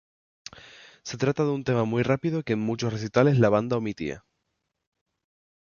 Se trata de un tema muy rápido que en muchos recitales la banda omitía.